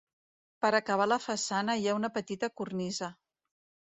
Per acabar la façana hi ha una petita cornisa.